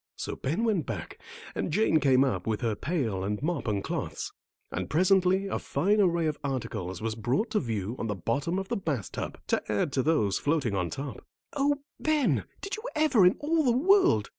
So Ben went back and Jane came up with her pail and mop and cloths, and presently a fine array of articles was brought to view on the bottom of the bath tub, to add to those floating on top. "Oh, Ben, did you ever in all the world!"